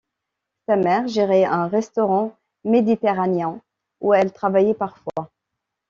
Sa mère gérait un restaurant méditerranéen où elle travaillait parfois.